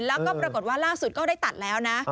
แล้วก็ปรากฏว่าล่าสุดก็ได้ตัดแล้วนะ